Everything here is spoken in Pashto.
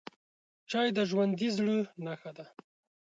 چای د ژوندي زړه نښه ده